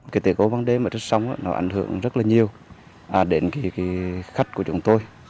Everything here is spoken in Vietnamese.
cái tiểu ô bằng đêm ở trước sông nó ảnh hưởng rất là nhiều đến khách của chúng tôi